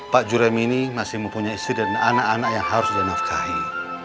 pak juremi ini masih mempunyai istri dan anak anak yang harus dinafkahin